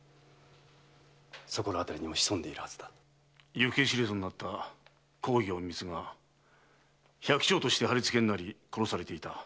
行方知れずになった公儀隠密が百姓として磔になり殺されていた。